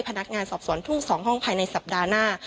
พนักงานสอบสวนทุ่ง๒ห้องภายในสัปดาห์หน้า